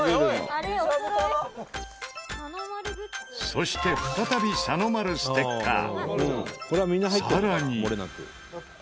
そして再びさのまるステッカー。